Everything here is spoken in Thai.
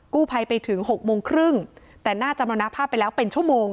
กู้ไพรไปถึง๖โมงครึ่งแต่หน้าจำลวนภาพไปแล้วเป็นชั่วโมง